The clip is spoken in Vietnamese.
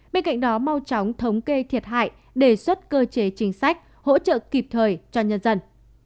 bên cạnh đó mau chóng thống kê thiệt hại đề xuất cơ chế chính sách hỗ trợ kịp thời cho nhân dân